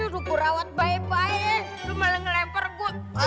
cukurawat bye bye gue malah lempar eva